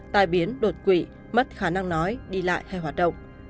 tai biến đột quỵ mất khả năng nói đi lại hay hoạt động